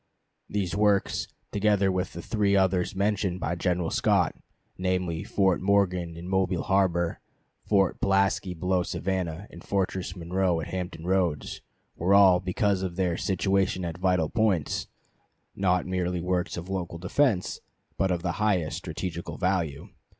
These works, together with the three others mentioned by General Scott, namely, Fort Morgan in Mobile harbor, Fort Pulaski below Savannah, and Fortress Monroe at Hampton Roads, were all, because of their situation at vital points, not merely works of local defense, but of the highest strategical value.